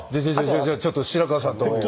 じゃあちょっと白川さんと。